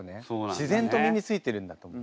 自然と身についてるんだと思う。